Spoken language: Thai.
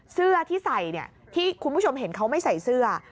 เสื้อที่ใส่ที่คุณผู้ชมเห็นเขาไม่ใส่เสื้อ